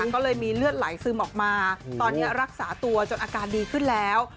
ก็เลยมีเลือดไหลซึมออกมาตอนนี้รักษาตัวจนอาการดีขึ้นแล้ว